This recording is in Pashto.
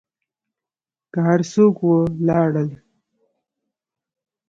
که هر څوک و لاړل.